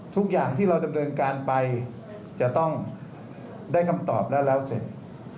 ทุกอย่างที่เราดำเนินการไปจะต้องได้คำตอบแล้วแล้วเสร็จ